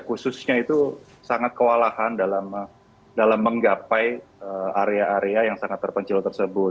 khususnya itu sangat kewalahan dalam menggapai area area yang sangat terpencil tersebut